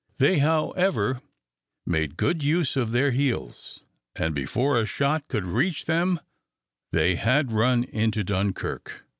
They, however, made good use of their heels, and before a shot could reach them they had run into Dunkirk.